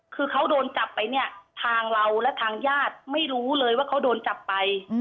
คือเขาโดนจับไปเนี่ยทางเราและทางญาติไม่รู้เลยว่าเขาโดนจับไป